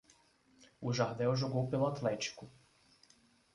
O Jardel jogou pelo Atlético.